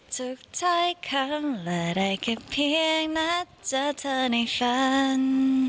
สุดท้ายครั้งและได้แค่เพียงนัดเจอเธอในฝัน